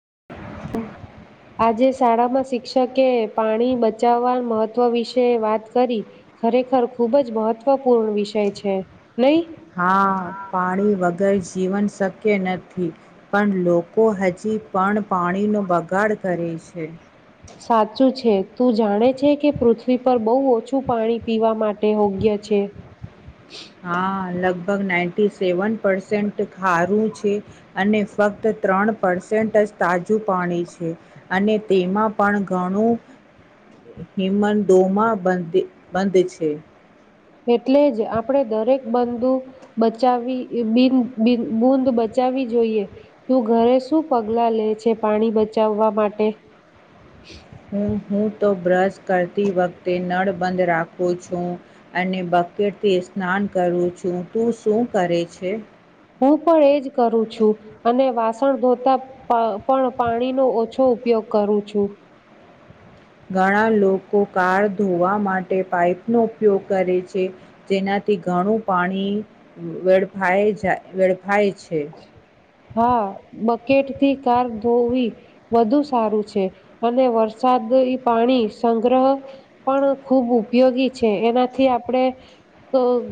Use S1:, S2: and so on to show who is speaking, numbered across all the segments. S1: હ. [unintelligible]
S2: આજે શાળામાં શિક્ષકે પાણી બચાવવા મહત્વ વિશે વાત કરી, ખરેખર ખુબ જ મહત્વપૂર્ણ વિષય છે નહી.
S1: હા પાણી વગર જીવન શક્ય નથી, પણ લોકો હજી પણ પાણીનો બગાડ કરે છે.
S2: સાચું છે તું જાણે છે કે પૃથ્વી પર બહુ ઓછું પાણી પીવા માટે યોગ્ય છે.
S1: હા લગભગ નાઇન્ટી સેવન પર્સેન્ટ ખારું છે, અને ફક્ત ત્રણ પર્સેન્ટ જ તાજું પાણી છે, અને તેમાં પણ ઘણું, હિમંદોમાં બંધ બંધ છે.
S2: એટલે જ આપણે દરેક બંદુ, બચાવવી બિ બુંદ બચાવવી જોઈએ, તું ઘરે શું પગલા લે છે પાણી બચાવવા માટે?
S1: હમ. હું તો બ્રશ કરતી વખતે નળ બંધ રાખું છું, અને બકેટથી સ્નાન કરું છું તું શું કરે છે?
S2: હું પણ એજ કરું છું, અને વાસણ ધોતા પણ પાણીનો ઓછો ઉપયોગ કરું છું.
S1: ઘણા લોકો કાર ધોવા માટે પાઈપનો ઉપયોગ કરે છે, જેનાથી ઘણું પાણી વેડફાય જાય. વેડફાય છે
S2: હા બ પકેટ થી કાર ધોવી, વધુ સારું છે અને વરસાદ પાણી સંગ્રહ, પણ ખૂબ ઉપયોગી છે એનાથી આપણે,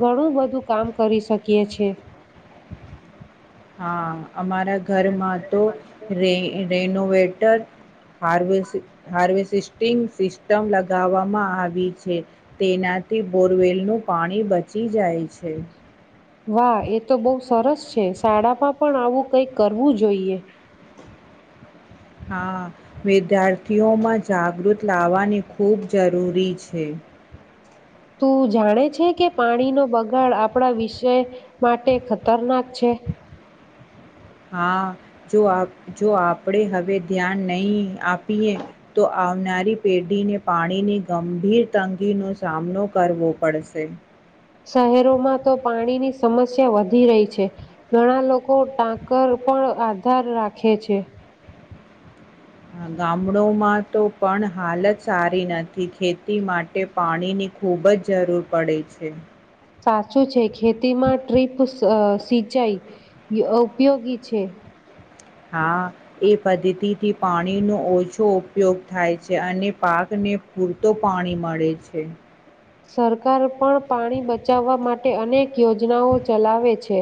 S2: ઘણું બધું કામ કરી શકીએ છે.
S1: હા. અમારા ઘરમાં તો રે રેનોવેટર હાર્વે હાર્વેસ્ટિંગ સિસ્ટમ લગાવવામાં આવી છે તેનાથી બોરવેલનું પાણી બચી જાય છે.
S2: વાહ એ તો બહું સરસ છે. શાળામાં પણ આવું કઈક કરવું જોઈએ.
S1: હા વિદ્યાર્થીઓમાં જાગૃત લાવવાની ખૂબ જરૂરી છે.
S2: તું જાણે છે કે પાણીનો બગાડ આપણા વિષય માટે ખતરનાક છે.
S1: હા જો આપ જો આપણે હવે ધ્યાન નહી આપીએ તો આવનારી પેઢીને પાણીની ગંભીર તંગીનો સામનો કરવો પડશે.
S2: શહેરોમાં તો પાણીની સમસ્યા વધી રહી છે. ઘણા લોકો ટાંકર પણ આધાર રાખે છે.
S1: ગામડોમાં તો પણ હાલત સારી નથી ખેતી માટે પાણીની ખૂબ જ જરૂર પડે છે.
S2: સાચું છે કે ખેતીમાં ટ્રીપ સ અ સિંચાઈ યોગ ઉપયોગી છે.
S1: હા એ પદ્ધતિથી પાણીનો ઓછો ઉપયોગ થાય છે અને પાકને પૂરતો પાણી મળે છે.
S2: સરકાર પણ પાણી બચાવવા માટે અનેક યોજનાઓ ચલાવે છે.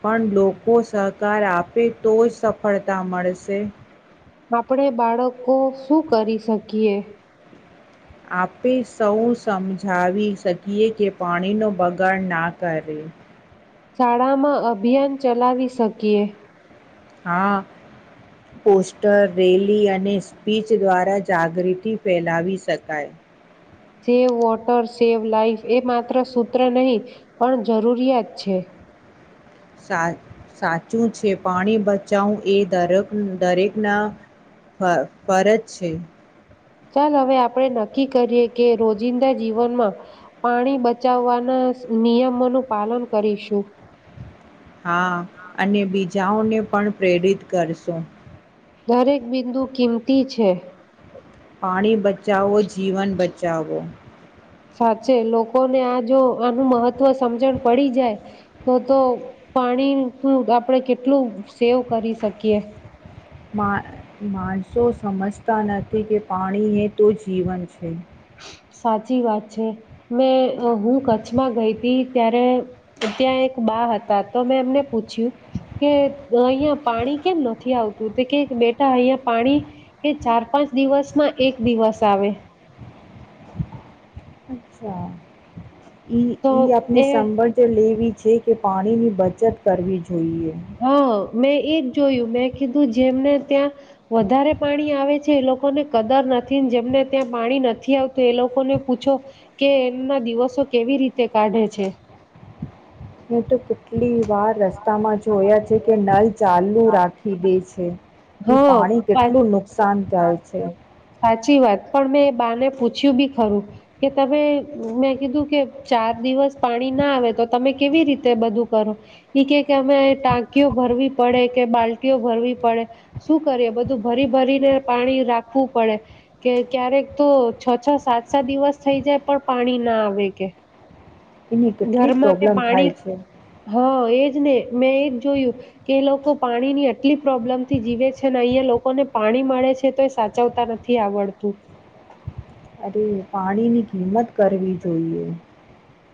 S1: પણ લોકો સહકાર આપે તો જ સફળતા મળશે.
S2: આપડે બાળકો શું કરી શકીએ.
S1: આપે સૌ સમજાવી શકીએ કે પાણીનો બગાડ ના કરે.
S2: શાળામાં અભિયાન ચલાવી શકીએ.
S1: હા પોસ્ટર રેલી અને સ્પીચ દ્વારા જાગૃતિ ફેલાવી શકાય.
S2: સેવ વોટર સેવ લાઈફ એ માત્ર સૂત્ર નહીં પણ જરૂરિયાત છે.
S1: સા સાચું છે પાણી બચાવું એ દરેક દરેકના ફ ફરજ છે.
S2: ચાલ હવે આપણેે નક્કી કરીએ કે રોજિંદા જીવનમાં પાણી બચાવવાના નિયમોનું પાલન કરીશું.
S1: હા અને બીજાઓને પણ પ્રેરિત કરશું.
S2: દરેક બિંદુ કિંમતી છે
S1: પાણી બચાવો, જીવન બચાવો
S2: સાચે લોકોને આ જો આનું મહત્વ સમજણ પડી જાય તો તો પાણી નું આપડે કેટલું સેવ કરી શકીએ
S1: માણસો સમજતા નથી કે પાણી એ તો જીવન છે
S2: સાચી વાત છે, મેં હું કચ્છમાં ગઈ હતી ત્યારે ત્યાં એક બા હતા તો મેં એમને પૂછ્યું કે અહિયાં પાણી કેમ નથી આવતું તે કે બેટા અહંયા પાણી એ ચાર પાંચ દિવસમાં એક દિવસ આવે હ
S1: અચ્છા ઈ
S2: તો
S1: ઈ આપની
S2: એ
S1: સંવર્ જે લેવી છે કે પાણીની બચત કરવી જોઈએ
S2: હા મેં એ જ જોયું મેં કીધ તું જેમને ત્યાં વધારે પાણી આવે છે, એ લોકોને કદર નથી, જેમને ત્યાં પાણી નથી આવતું એ લોકોને પૂછો કે એમના દિવસો કેવી રીતે કાઢે છે
S1: ને તો કેટલી વાર રસ્તામાં જોયા છે કે નલ ચાલુ રાખી દે છે ઈ
S2: હા
S1: પાણી
S2: પા
S1: કેટલું નુકસાન જાય છે
S2: સાચી વાત પણ મેં એ બાને પૂછ્યું બી ખરું કે તમે મેં કીધું કે ચાર દિવસ પાણી ના આવે તો તમે કેવી રીતે બધું કરો એઈ કે કે અમે ટાંકીઓ ભરવી પડે કે બાલ્ટઓ ભરવી પડે શું કરીએ બધું ભરી ભરીને પાણી રાખવું પડે કે ક્યારેક તો છ છ સાત સાત દિવસ થઈ જાય પણ પાણી ના આવે કે
S1: એની કેટલી
S2: ઘરમાં કે
S1: પ્રોબ્લેમ
S2: પાણી
S1: થાય છે.
S2: હ એ જ ને મેં એજ જોયું કે એ લોકો પાણીની આટલી પ્રોબ્લેમ થી જીવે છે ને અહિયાયાં લોકોને પાણી મળે છે તો એ સાચવતા નથી આવડતું
S1: અરે પાણીની કિંમત કરવી જોઈએ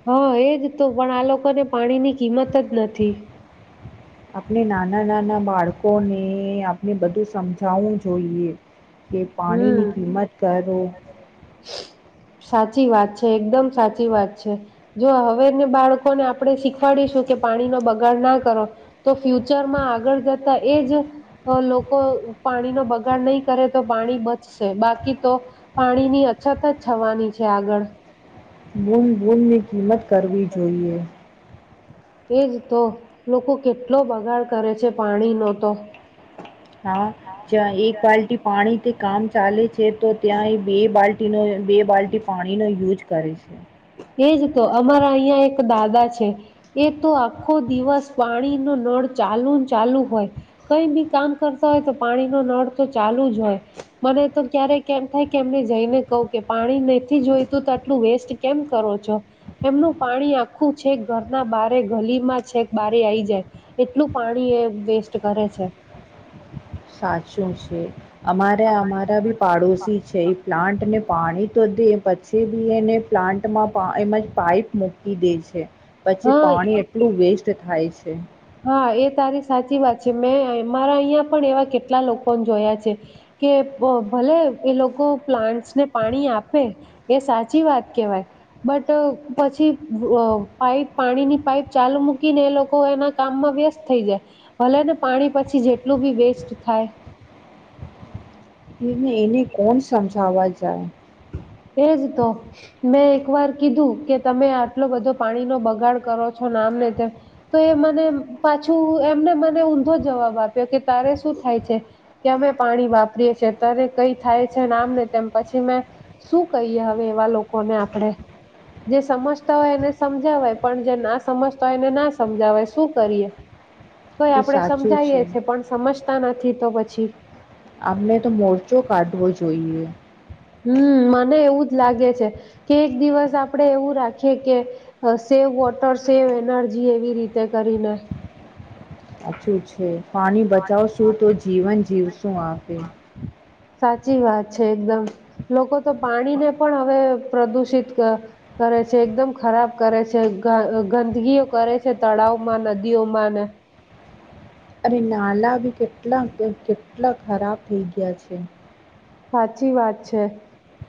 S2: હા એજ તું પણ આ લોકોને પાણીની કિંમત જ નથી.
S1: આપણે નાના નાના બાળકોને આપણે બધું સમજાવું જોઈએ. કે
S2: હમ
S1: પાણીની કિંમત કરો.
S2: સાચી વાત છે એકદમ સાચી વાત છે, જો હવેને બાળકોને આપડે શીખવાડીશું કે પાણી નો બગાડ ના કરો, તો ફ્યુચર માં આગળ જતા એજ, લોકો પાણી નો બગાડ નહી કરે. તો પાણી બચશે બાકી તો, પાણીની અછત જ થવાની છે આગળ.
S1: બૂન બૂન ની કિંમત કરવી જોએ. જોઈએ.
S2: એજ તો લોકો કેટલો બગાડ કરે છે પાણીનો તો.
S1: હા, જ એક બલ્ટી પાણી કામ ચાલે છે. છે તો ત્યાં બે બાલ્ટ ન બે બાલ્ટી પાણી નો યુઝ કરે છે.
S2: એજ તો અમારા અહીં એક દાદા છે, એ તો આખો દિવસ પાણી ન નળ ચાલુ ચાલુ હોય, કઈ બી કામ કરતા હોય તો પાણી ન નળ તો ચાલુ જ હોય, મને તો ક્યારે કેમ થાય કે એમને જઈને કહું કે પાણી નથી જોયતું તો આટલું વેસ્ટ કેમ કરો છો, એમનું પાણી આખું છેક ઘરના બારે ગલીમાં છેક બારી આઈ જાય, એટલું પાણી એ વેસ્ટ કરે છે.
S1: સાતશું છે. અમારા અમારા બી પાડોશી છે. પ્લાન્ટને પાણી તો દે પછી બી એને પ્લાન્ટમાં એમાં પાઈપ મૂકી દે છે. પછી
S2: હા
S1: પાણી
S2: એ
S1: એટલું વેસ્ટ થાય છે.
S2: હા એ તારી સાચી વાત છે મેં મારા અહંયા પણ એવા કેટલા લોકોને જોયા છે, કે ભલે એ લોકો પ્લાન્ટસને પાણી આપે, એ સાચી વાત કેહેવાય, બટ પછી પાપ પાણીની પાઈપ ચાલુ મૂકીને એ લોકો એના કામમાં વ્યસ્ત થઈ જાય ભલે ને પાણી પછી જેટલું બી વેસ્ટ થાય
S1: એ એને કોણ સમજાવવા જાય
S2: એજ તો મેં એક વાર કીધું કે તમે આટલો બધો પાણી નો બગાડ કરો છો, નામ ને તેમ તો એ મને પાછું એમને મને ઊંધો જવાબ આપ્યો કે તારે શું થાય છે કે અમે પાણી વાપરીએ છેએ તને કઈ થાય છે નામ ને તેમ પછી મેં શું કહીએ હવે એવા લોકોને આપણેે, જે સમજતા હોય એને સમજાવય પણ જે ના સમજતા હોય એને ના સમજાવય શું કરીએ તોય
S1: એ
S2: આપણે
S1: સાચું છે
S2: સમજાઈએેીએ પણ સમજ તા નથી, તો, પછી
S1: અમને તો મોરચો કાઢવો જોઈએ
S2: હમ મને એવું જ લાગે છે કે એક દિવસ આપડે એવું રાખીએ કે સેવ વોટર સેવ એનર્જી એવી રીતે કરીને
S1: સાછું છે પાણી બચાવશું તો જીવન જીવશું આપે
S2: સાચી વાત છે એકદમ લોકો તો પાણીને પણ હવે પ્રદુષિત કરે છે એકદમ ખરાબ કરે છે ગંદગીઓ કરે છે તળાવમાં નદીઓમાં ને
S1: અરે નલાા બ કેટલા કેટલા ખરાબ થઈ ગયા છે
S2: સાચી વાત છે,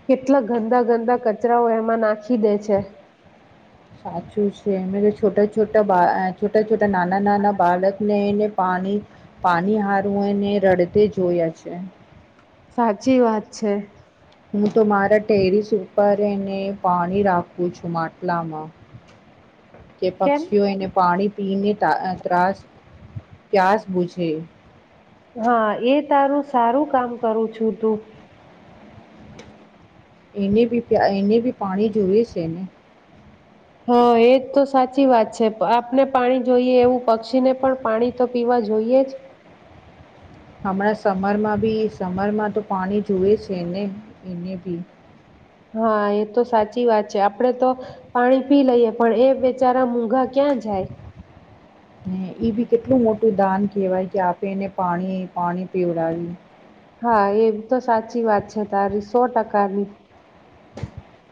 S2: કેટલા ગંદા ગંદા કચરાઓ એમાં નાખી દે છે
S1: સાચું છે, મે છોટા છુટ [unintelligible] બા છટ છટ છોટ, નાના નાના બાળકને એને પાણી પાણી હારું હું એને રડતે જોયા છે
S2: સાચી વાત છે
S1: હું તો મારા ટેરિસ ઉપરને પાણી રાખું છું માટલામાં કે
S2: કેમ
S1: પક્ષીઓ એને પાણી પી ત ત્રાસ પ્યાસ બૂઝે.
S2: હા એ તારું સારું કામ કરું છું તું.
S1: એને બી એને બી પાણી જોય છે ને.
S2: હા એજ તો સાચી વાત છે આપને પાણી જોઈએ એવું પક્ષીને પણ પાણી તો પીવા જોઈએ જ.
S1: હમણાં સમરમાં બી સમરમાં તો પાણી જુએ છે ને એને બી.
S2: હા એ તો સાચી વાત છે આપડે તો, પાણી પી લઈએ પણ એ બેચારા મુઘા ક્યાં જાય?
S1: હ એ બી કેટલું મોટું દાન કેહેવાય કે આપે એને પાણી પાણી પીવડાવી.
S2: હા એ તો સાચી વાત છે તારી સો ટકાની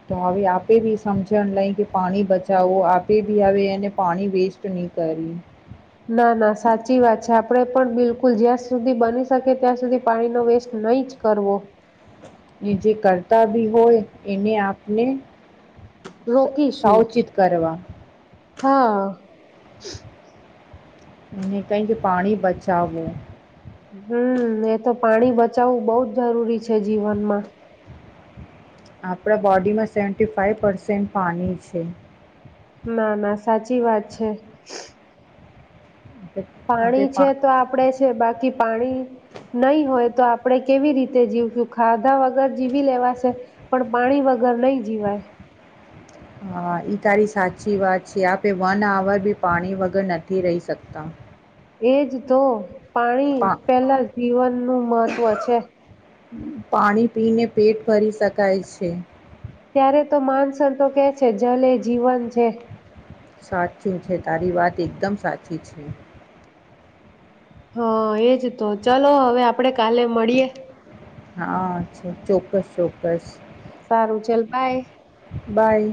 S1: તો હવે આપે બી સમજણ લઈ કે પાણી બચાવવો આપે બી હવે, એને પાણી વેસ્ટ નહી કરી
S2: ના ના સાચી વાત છે આપણેે પણ બિલકુલ જ્યાં સુધી બની શકી ત્યાં સુધી પાણીનો વેસ્ટ નહી જ કરવો.
S1: જે કરતા બી હોય એને આપને.
S2: રોકીશું
S1: સાવચિત કરવા.
S2: હા
S1: કઈ કે પાણી બચાાવો
S2: હમ એ તો પાણી બચાવવું બહુ જ જરૂરી છે જીવનમાં
S1: આપણા બોડીમાં સેવન્ટી ફાઈવ પર્સેન્ટ પાણી છે
S2: ના ના સાચી વાત છે
S1: આપણે આપણે
S2: પાણી છે
S1: પા
S2: તો આપડે છે બાકી પાણી નહી હોય તો આપણેે કેવી રીતે જીવશું ખાધા વગર જીવી લેવાશે પણ પાણી વગર નહી જીવાય.
S1: હા ઈ તારી સાચી વાત છે આપે વન આવર ભી પાણી વગર નથી રહી શકતા
S2: એજ તો પાણી
S1: પા
S2: પેલા જીવન નું મહત્વ છે.
S1: પાણી પી ને પેટ ભરી શકાય છે.
S2: ત્યારે તો માનસ તો કે છે જલે જીવન છે
S1: સાચું છે તારી વાત એકદમ સાચી છે
S2: હા, એજ તો ચાલો હવે આપડે કાલે મળીએે.
S1: હા છે ચોક્કસ ચોક્કસ
S2: સારું છેલ ભાઈ,
S1: બાય